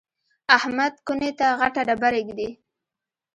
احمد کونې ته غټه ډبره ږدي.